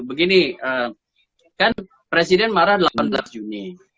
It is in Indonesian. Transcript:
begini kan presiden marah delapan belas juni